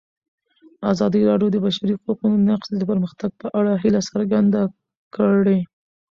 ازادي راډیو د د بشري حقونو نقض د پرمختګ په اړه هیله څرګنده کړې.